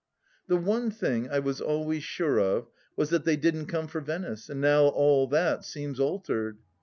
The one thing I was always sure of was that they didn't come for Venice, and now all that seems altered.